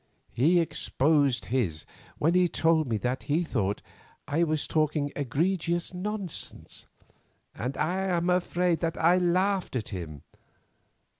He exposed his when he told me that he thought I was talking egregious nonsense, and I am afraid that I laughed at him.